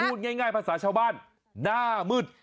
พูดง่ายภาษาชาวบ้านหน้ามืด